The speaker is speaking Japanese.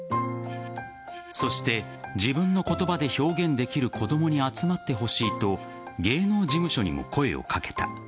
そして自分の言葉で表現できる子供に集まってほしいと芸能事務所にも声をかけた。